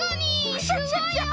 クシャシャシャ！